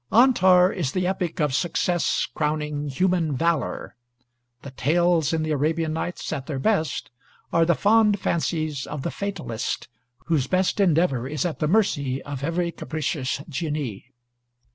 'Antar' is the epic of success crowning human valor; the tales in the 'Arabian Nights,' at their best, are the fond fancies of the fatalist whose best endeavor is at the mercy of every capricious Jinni.